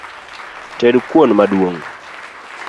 Ted kuon maduong’